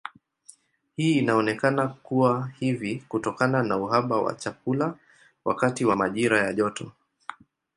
Hii inaonekana kuwa hivi kutokana na uhaba wa chakula wakati wa majira ya joto.